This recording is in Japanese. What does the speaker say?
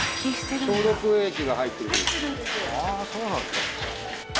ああーそうなんですか